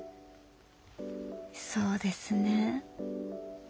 そうですね。